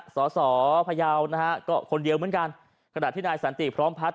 สสพยาวนะฮะก็คนเดียวเหมือนกันขณะที่นายสันติพร้อมพัฒน